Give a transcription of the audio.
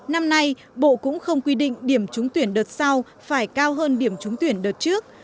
năm nay bộ cũng không quy định điểm trúng tuyển đợt sau phải cao hơn điểm trúng tuyển đợt trước